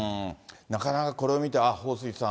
なかなか、これを見て、ああ、彭帥さん